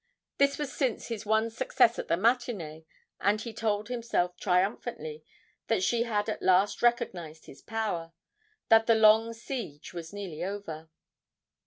This was since his one success at the matinée, and he told himself triumphantly that she had at last recognised his power; that the long siege was nearly over.